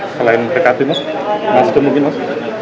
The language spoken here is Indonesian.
selain rekati mas mas duk mungkin mas